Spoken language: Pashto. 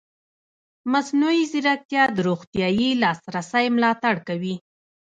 مصنوعي ځیرکتیا د روغتیايي لاسرسي ملاتړ کوي.